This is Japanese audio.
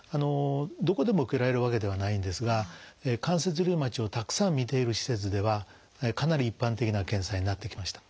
どこでも受けられるわけではないんですが関節リウマチをたくさん診ている施設ではかなり一般的な検査になってきました。